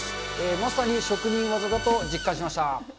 まさに職人技だと実感しました。